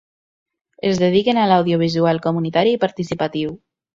Es dediquen a l'audiovisual comunitari i participatiu.